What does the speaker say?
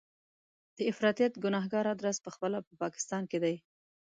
د افراطیت ګنهګار ادرس په خپله په پاکستان کې دی.